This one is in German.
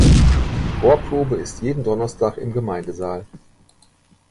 Die Chorprobe ist jeden Donnerstag im Gemeindesaal.